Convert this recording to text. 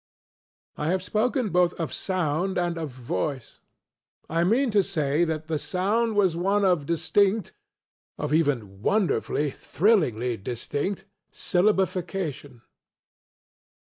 I have spoken both of ŌĆ£soundŌĆØ and of ŌĆ£voice. ŌĆØ I mean to say that the sound was one of distinctŌĆöof even wonderfully, thrillingly distinctŌĆösyllabification.